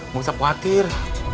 gak usah khawatir